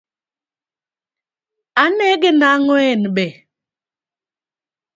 Anege nag'o en be?